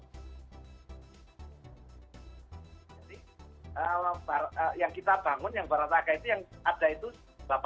jadi yang kita bangun yang barataga itu yang ada itu delapan ratus enam puluh tujuh sembilan mmi saja